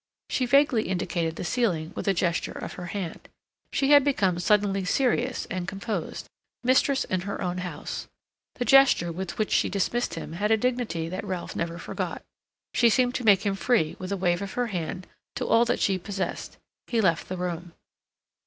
she vaguely indicated the ceiling with a gesture of her hand. She had become suddenly serious and composed, mistress in her own house. The gesture with which she dismissed him had a dignity that Ralph never forgot. She seemed to make him free with a wave of her hand to all that she possessed. He left the room.